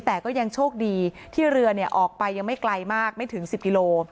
แต่ก็ยังโชคดีที่เรือออกไปยังไม่ไกลมากไม่ถึง๑๐กิโล